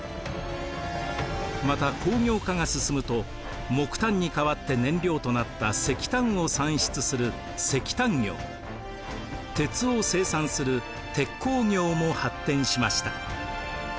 また工業化が進むと木炭に代わって燃料となった石炭を産出する石炭業鉄を生産する鉄鋼業も発展しました。